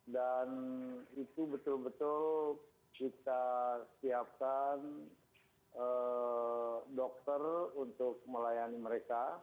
dan itu betul betul kita siapkan dokter untuk melayani mereka